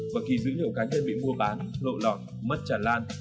và khi dữ liệu cá nhân bị mua bán lộ lỏng mất trả lan